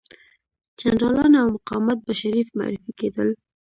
جنرالان او مقامات به شریف معرفي کېدل.